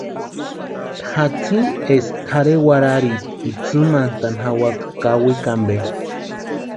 Jatsini eska tʼarhe warhariecha intsïmantani jawaka kawikwa ampe.